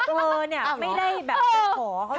เธอเนี่ยไม่ได้แบบการขอเค้านะ